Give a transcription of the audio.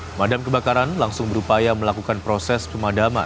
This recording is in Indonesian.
pemadam kebakaran langsung berupaya melakukan proses pemadaman